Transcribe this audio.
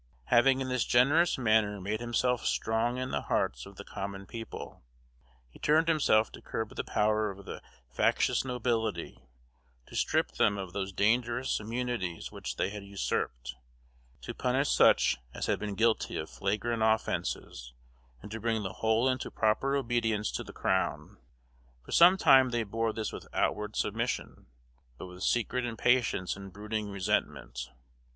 Having in this generous manner made himself strong in the hearts of the common people, he turned himself to curb the power of the factious nobility; to strip them of those dangerous immunities which they had usurped; to punish such as had been guilty of flagrant offences; and to bring the whole into proper obedience to the Crown. For some time they bore this with outward submission, but with secret impatience and brooding resentment.